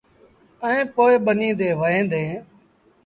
ائيٚݩ پو ٻنيٚ تي وهيݩ ديٚݩ۔